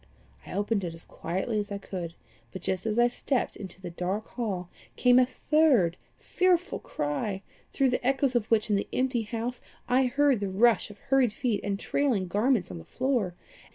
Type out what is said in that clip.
I opened it as quietly as I could, but just as I stepped into the dark hall, came a third fearful cry, through the echoes of which in the empty house I heard the rush of hurried feet and trailing garments on the stair.